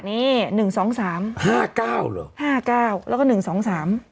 นี่หนึ่งสองสามห้าเก้าเหรอห้าเก้าแล้วก็หนึ่งสองสาม